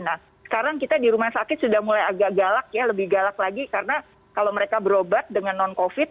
nah sekarang kita di rumah sakit sudah mulai agak galak ya lebih galak lagi karena kalau mereka berobat dengan non covid